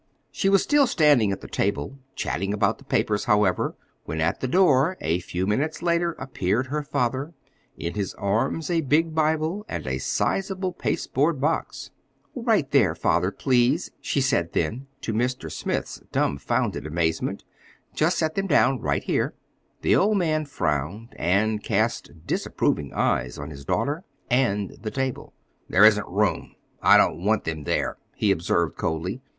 She was still standing at the table, chatting about the papers, however, when at the door, a few minutes later, appeared her father, in his arms a big Bible, and a sizable pasteboard box. "Right here, father, please," she said then, to Mr. Smith's dumfounded amazement. "Just set them down right here." The old man frowned and cast disapproving eyes on his daughter and the table. "There isn't room. I don't want them there," he observed coldly.